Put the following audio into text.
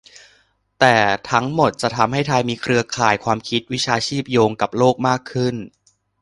แต่ทั้งหมดจะทำให้ไทยมีเครือข่ายความคิด-วิชาชีพโยงกับโลกมากขึ้น